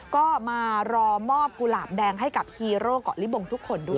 ก็มารอมอบกุหลาบแดงให้กับฮีโร่เกาะลิบงทุกคนด้วย